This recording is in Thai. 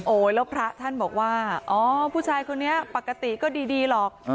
แล้วพระท่านบอกว่าอ๋อผู้ชายคนนี้ปกติก็ดีหรอก